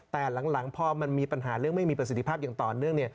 แต่หลังพอมันมีปัญหาเรื่องไม่มีประสิทธิภาพอย่างต่อเนื่อง